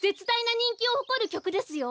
にんきをほこるきょくですよ！？